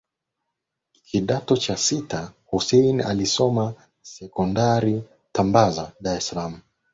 kidato cha sita Hussein alisoma secondary Tambaza Dar es salaam